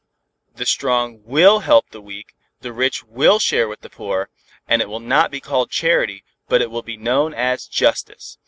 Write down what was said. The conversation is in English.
The strong will help the weak, the rich will share with the poor, and it will not be called charity, but it will be known as justice.